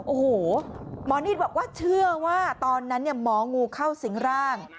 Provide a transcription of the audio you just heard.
โอ้โหหมอนิดบอกว่าเชื่อว่าตอนนั้นหมองูเข้าสิงร่าง